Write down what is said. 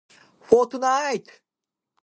Fortnite.